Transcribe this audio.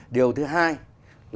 điều thứ hai là